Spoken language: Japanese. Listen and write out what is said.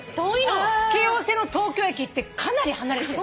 京葉線の東京駅ってかなり離れてる。